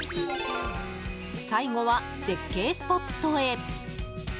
最後は、絶景スポットへ。